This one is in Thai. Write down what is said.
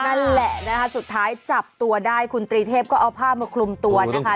นั่นแหละนะคะสุดท้ายจับตัวได้คุณตรีเทพก็เอาผ้ามาคลุมตัวนะคะ